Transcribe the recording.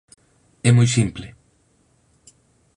É moi simple.